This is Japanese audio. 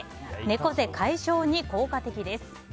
猫背解消に効果的です。